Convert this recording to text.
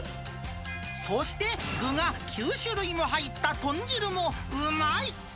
そして、具が９種類も入った豚汁もうまい！